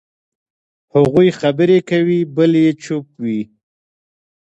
هغوی خبرې کوي، بل یې چوپ وي.